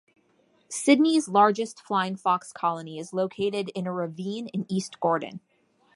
Sydney's largest flying fox colony is located in a ravine in East Gordon.